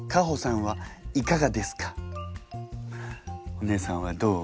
お姉さんはどう？